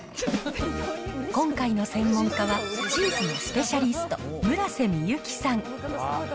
今回の専門家はチーズのスペシャリスト、村瀬美幸さん。